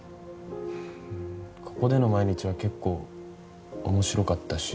ここでの毎日は結構面白かったし。